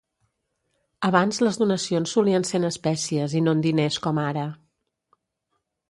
Abans les donacions solien ser en espècies i no en diners com ara.